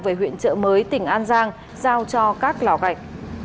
về huyện trợ mới tỉnh an giang giao cho các lò gạch